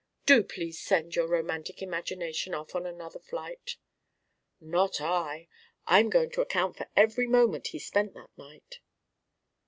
Do please send your romantic imagination off on another flight." "Not I. I'm going to account for every moment he spent that night."